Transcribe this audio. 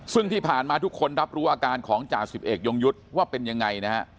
ซึ่งที่ผ่านมาทุกคนรับรู้อาการของจ่าสิบเอกยงยุทธ์ว่าเป็นยังไงนะฮะ